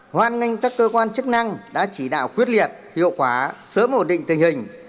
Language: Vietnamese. hoan nghênh các cơ quan chức năng đã chỉ đạo quyết liệt hiệu quả sớm ổn định tình hình